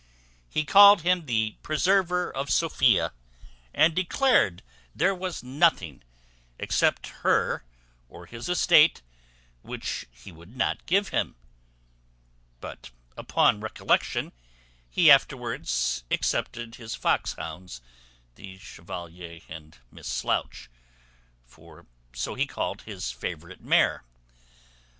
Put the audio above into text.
He called him the preserver of Sophia, and declared there was nothing, except her, or his estate, which he would not give him; but upon recollection, he afterwards excepted his fox hounds, the Chevalier, and Miss Slouch (for so he called his favourite mare).